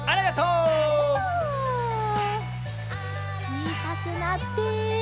ちいさくなって。